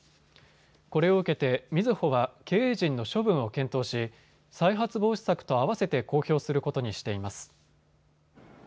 これを受けてみずほは経営陣の処分を検討し再発防止策とあわせて公表することにしています。